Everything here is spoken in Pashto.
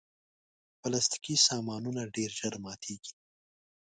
پلاستيکي سامانونه ډېر ژر ماتیږي.